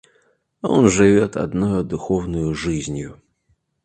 Он живет одною духовною жизнью.